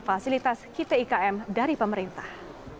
fasilitas kitikm dari pemerintah